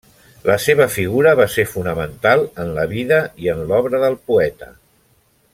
La seva figura va ser fonamental en la vida i en l'obra del poeta.